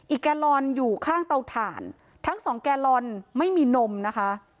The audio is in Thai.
แกลลอนอยู่ข้างเตาถ่านทั้งสองแกลลอนไม่มีนมนะคะ